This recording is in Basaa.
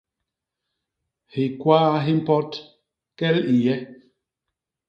Hikwaa hi mpot, kel i nye!